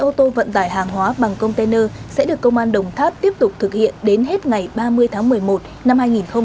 ô tô vận tải hàng hóa bằng container sẽ được công an đồng tháp tiếp tục thực hiện đến hết ngày ba mươi tháng một mươi một năm hai nghìn hai mươi